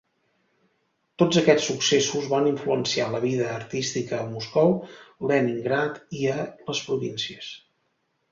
Tots aquests successos van influenciar la vida artística a Moscou, Leningrad i a les províncies.